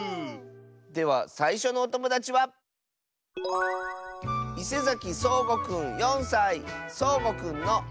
ではさいしょのおともだちはそうごくんの。